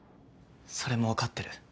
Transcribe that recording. それもわかってる。